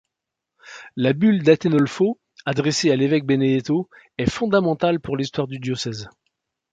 La bulle d'Atenolfo, adressé à l'évêque Benedetto, est fondamental pour l'histoire du diocèse.